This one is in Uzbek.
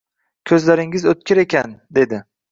Ko’zlaringiz o’tkir ekan dedi.